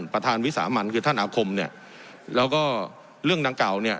วิสามันคือท่านอาคมเนี่ยแล้วก็เรื่องดังกล่าวเนี่ย